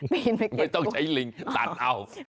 ไม่ต้องใช้ลิงตัดเอา